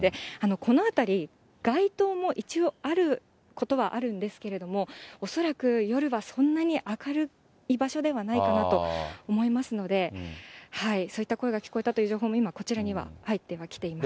この辺り、街灯も一応あることはあるんですけれども、恐らく夜はそんなに明るい場所ではないかなと思いますので、そういった声が聞こえたという情報も今、こちらには入ってはきていません。